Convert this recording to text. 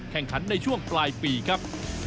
แข่งขันในช่วงปลายปีครับ